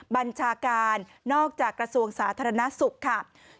บัญชาการนอกจากกระทรวงสาธารณสุขค่ะ